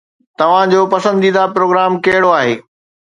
توهان جو پسنديده پروگرام ڪهڙو آهي؟